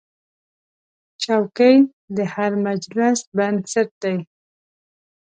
چوکۍ د هر مجلس بنسټ دی.